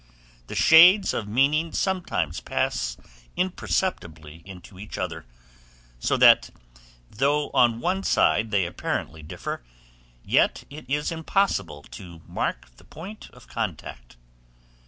The shades of meaning sometimes pass imperceptibly into each other, so that though on one side they apparently differ, yet it is impossible to mark the point of contact.